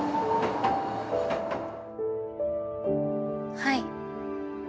はい。